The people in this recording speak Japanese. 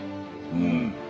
うん。